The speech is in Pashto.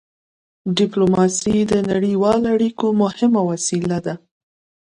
ډيپلوماسي د نړیوالو اړیکو مهمه وسيله ده.